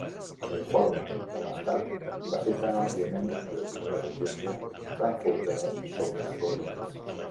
L'informe de l'estat va citar àmpliament l'opinió del jutge Frankfurter sobre Gobitis.